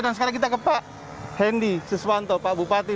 dan sekarang kita ke pak hendi sesuanto pak bupati